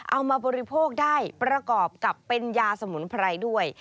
มาบริโภคได้ประกอบกับเป็นยาสมุนไพรด้วย